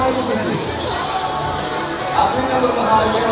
akhirnya berbahaya siapkan kamera terbaik lainnya